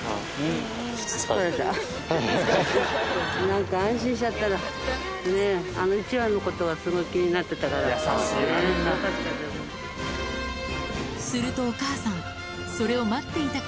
なんか安心しちゃったら、あの１羽のことが、すごい気になってたから、よかった。